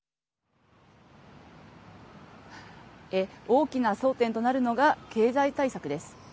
大きな争点となるのが経済対策です。